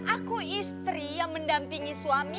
aku istri yang mendampingi suami